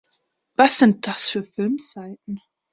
Was sind das für Filmzeiten?